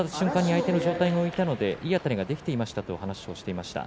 相手の上体が浮いたのでいいあたりができたということを話していました。